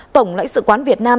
tổng lãnh sự quán việt nam